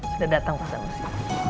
sudah datang pak sanusi